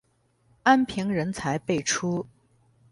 安平人才辈出。